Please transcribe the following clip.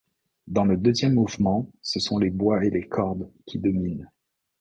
Dans le deuxième mouvement, ce sont les bois et les cordes qui dominent.